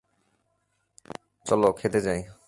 চলো, খেতে যাই!